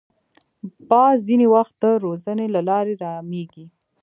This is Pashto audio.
باز ځینې وخت د روزنې له لارې رامېږي